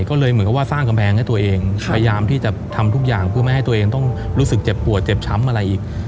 ก็เลยเหมือนกับว่าสร้างกำแพงให้ตัวเองพยายามที่จะทำทุกอย่างเพื่อไม่ให้ตัวเองต้องรู้สึกเจ็บปวดเจ็บช้ำอะไรอีก